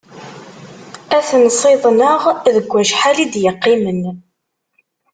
Ad ten-siḍnen deg wacḥal i d-yeqqimen.